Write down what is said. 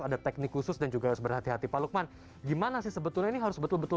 ada teknik khusus dan juga harus berhati hati pak lukman gimana sih sebetulnya ini harus betul betul